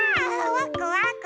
ワクワク。